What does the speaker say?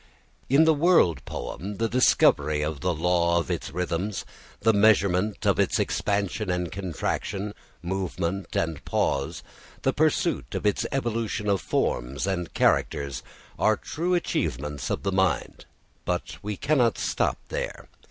In the world poem, the discovery of the law of its rhythms, the measurement of its expansion and contraction, movement and pause, the pursuit of its evolution of forms and characters, are true achievements of the mind; but we cannot stop there.